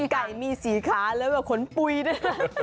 ไก่มี๔ขาแล้วก็ขนปุ๋ยด้วย